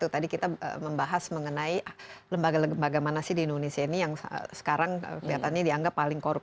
tadi kita membahas mengenai lembaga lembaga mana sih di indonesia ini yang sekarang kelihatannya dianggap paling korup